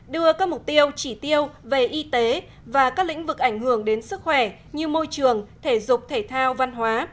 đưa các mục tiêu chỉ tiêu về y tế và các lĩnh vực ảnh hưởng đến sức khỏe như môi trường thể dục thể thao văn hóa